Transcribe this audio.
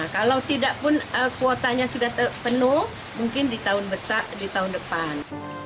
kalau tidak pun kuotanya sudah terpenuh mungkin di tahun besar di tahun depan